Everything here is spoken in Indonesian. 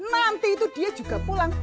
nanti itu dia juga pulang